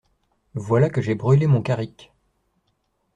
Voilà que j'ai brûlé mon carrick.